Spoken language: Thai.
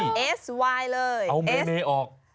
คุณซี่เอาเมเมออก